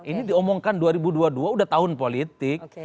ini diomongkan dua ribu dua puluh dua udah tahun politik